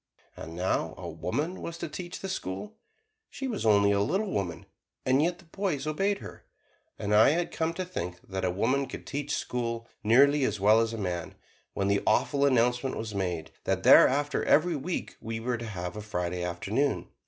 And now a woman was to teach the school: she was only a little woman and yet the boys obeyed her, and I had come to think that a woman could teach school nearly as well as a man, when the awful announcement was made that thereafter every week we were to have a Friday Afternoon.